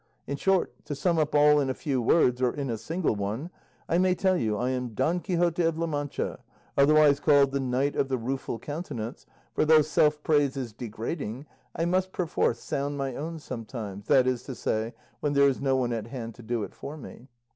In short, to sum up all in a few words, or in a single one, I may tell you I am Don Quixote of La Mancha, otherwise called 'The Knight of the Rueful Countenance;' for though self praise is degrading, I must perforce sound my own sometimes, that is to say, when there is no one at hand to do it for me.